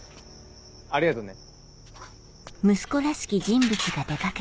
ありがとね。